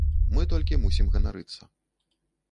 Мы толькі мусім ганарыцца.